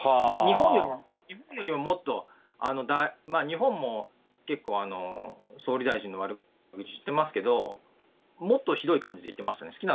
日本よりももっと、日本も結構、総理大臣の悪口言ってますけど、もっとひどい感じで言ってましたね。